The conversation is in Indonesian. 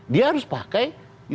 dia harus pakai